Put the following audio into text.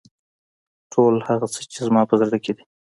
ټول هغه څه چې زما په زړه کې دي.